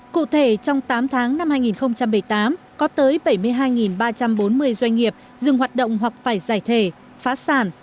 cụ thể trong tám tháng năm hai nghìn một mươi tám có tới bảy mươi hai ba trăm bốn mươi doanh nghiệp dừng hoạt động hoặc phải giải thể phá sản